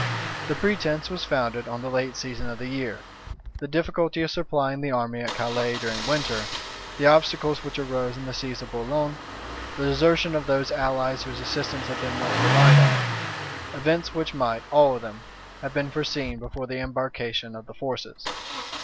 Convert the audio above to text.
The pretence was founded on the late season of the year, the difficulty of supplying the army at Calais during winter, the obstacles which arose in the siege of Boulogne, the desertion of those allies whose assistance had been most relied on: events which might, all of them, have been foreseen before the embarkation of the forces.